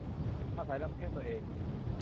อาศัยลำแข้งตัวเอง